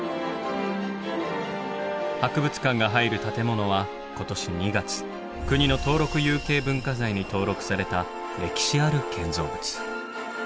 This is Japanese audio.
博物館が入る建物は今年２月国の登録有形文化財に登録された歴史ある建造物。